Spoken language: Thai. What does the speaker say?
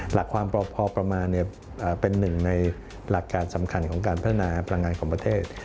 หลักความพอประมาณเป็นหนึ่งในหลักการสำคัญของการพัฒนาพลังงานของประเทศ